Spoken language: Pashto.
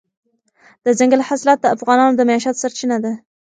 دځنګل حاصلات د افغانانو د معیشت سرچینه ده.